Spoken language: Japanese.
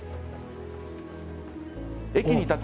駅に立つ